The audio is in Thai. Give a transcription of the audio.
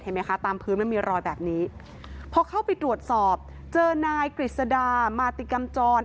ไหมคะตามพื้นมันมีรอยแบบนี้พอเข้าไปตรวจสอบเจอนายกฤษดามาติกำจร